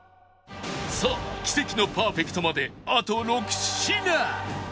さあ奇跡のパーフェクトまであと６品